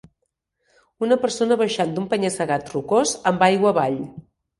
Una persona baixant d'un penya-segat rocós amb aigua avall